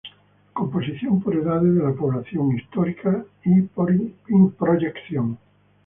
Composición por edades de la población, histórica y por proyección.